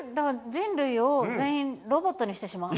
人類を全員、ロボットにしてしまう。